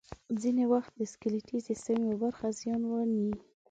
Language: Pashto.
ځینې وخت د سکلیټي سیستم یوه برخه زیان ویني.